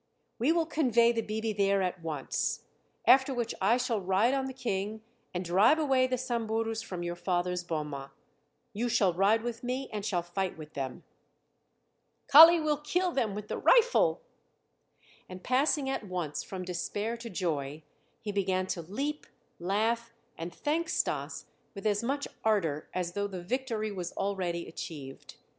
we will convey the 'bibi' there at once, after which I shall ride on the King and drive away the Samburus from your father's boma. You shall ride with me and shall fight with them." "Kali will kill them with the rifle!" And passing at once from despair to joy, he began to leap, laugh, and thank Stas with as much ardor as though the victory was already achieved.